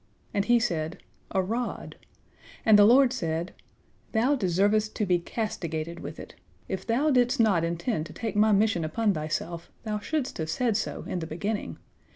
And he said, "A rod." And the Lord said: "Thou deservest to be castigated with it. If thou didst not intend to take My mission upon thyself, thou shouldst have said so in the beginning.